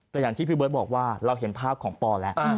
แต่อย่างที่พี่เบิร์ตบอกว่าเราเห็นภาพของปอแล้ว